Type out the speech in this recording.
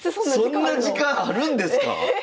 そんな時間あるんですか？